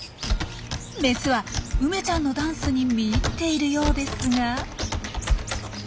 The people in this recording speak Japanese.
メスは梅ちゃんのダンスに見入っているようですが。